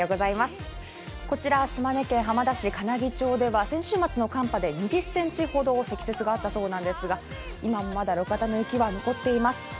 こちら、島根県浜田市金城町では先週末の寒波で２０ｃｍほどの積雪があったそうなんですが今もまだ路肩の雪は残っています。